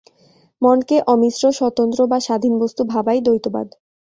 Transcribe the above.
মনকে অমিশ্র, স্বতন্ত্র বা স্বাধীন বস্তু ভাবাই দ্বৈতবাদ।